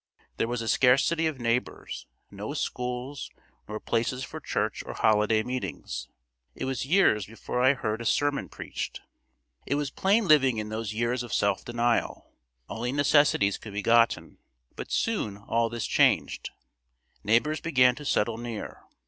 There was a scarcity of neighbors, no schools nor places for church or holiday meetings. It was years before I heard a sermon preached. It was plain living in those years of self denial. Only necessities could be gotten, but soon all this changed. Neighbors began to settle near.